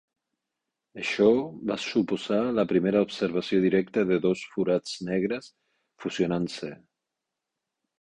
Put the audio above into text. Això va suposar la primera observació directa de dos forats negres fusionant-se.